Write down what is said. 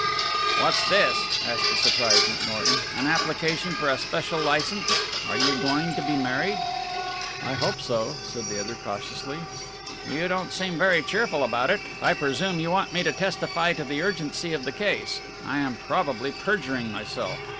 "What's this?" asked the surprised McNorton, "an application for a special licence are you going to be married?" "I hope so," said the other cautiously. "You don't seem very cheerful about it. I presume you want me to testify to the urgency of the case. I am probably perjuring myself."